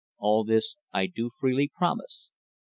All this I do freely promise.